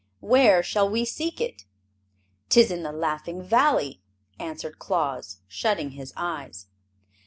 Where shall we seek it?" "'Tis in the Laughing Valley," answered Claus, shutting his eyes.